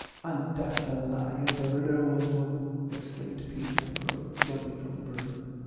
"And dat's a lie, if ever dere was one," exclaimed Peter Mangrove, jumping from the berth.